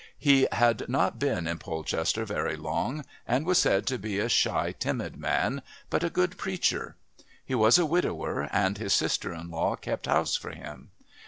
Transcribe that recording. He had not been in Polchester very long and was said to be a shy timid man, but a good preacher. He was a widower, and his sister in law kept house for him.